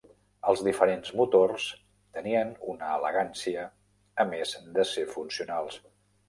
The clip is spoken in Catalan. Els diferents motors tenien una elegància a més de ser funcionals.